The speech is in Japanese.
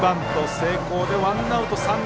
成功でワンアウト、三塁。